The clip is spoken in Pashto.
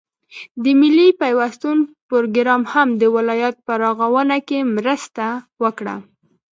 د ملي پيوستون پروگرام هم د ولايت په رغاونه كې مرسته وكړه،